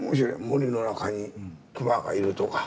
森の中に熊がいるとか。